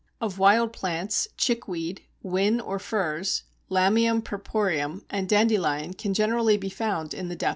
Of wild plants, Chickweed, Whin or Furze, Lamium purpureum, and Dandelion can generally be found in the depth of winter.